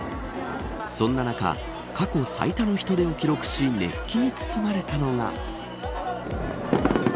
そんな中過去最多の人出を記録し熱気に包まれたのが。